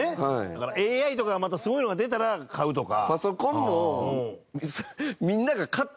だからＡＩとかすごいのが出たら買うとか。